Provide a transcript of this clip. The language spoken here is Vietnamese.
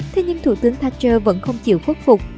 thế nhưng thủ tướng thatcher vẫn không chịu khuất phục